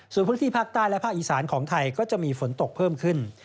ส่วนพื้นที่ภาคใต้และภาคอีสานของไทยก็จะมีฝนตกเพิ่มขึ้น